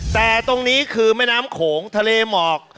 แต่ตรงนี้คือแม่น้ำโขงทะเลหมอก